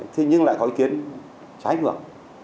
thế nhưng lại có ý kiến trái ngược